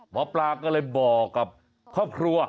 หมอปลาก็เลยบอกกับครอบครัว